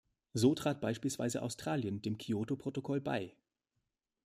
So trat beispielsweise Australien dem Kyoto-Protokoll bei.